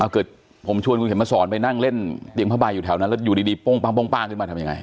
เกิดผมชวนคุณเข็มมาสอนไปนั่งเล่นเตียงผ้าใบอยู่แถวนั้นแล้วอยู่ดีโป้งป้างขึ้นมาทำยังไง